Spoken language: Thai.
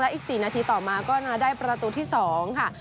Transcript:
อีก๔นาทีต่อมาก็มาได้ประตูที่๒ค่ะ